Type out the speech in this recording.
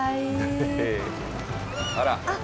あら。